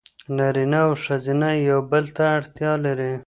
نارینه او ښځه یو بل ته اړتیا لري.